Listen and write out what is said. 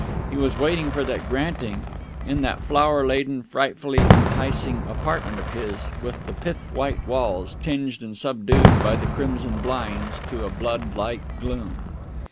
He was waiting for that granting, in that flower laden, frightfully enticing apartment of his, with the pith white walls tinged and subdued by the crimson blinds to a blood like gloom.